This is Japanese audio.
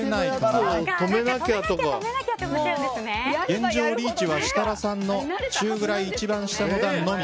現状、リーチは設楽さんの一番下の段のみ。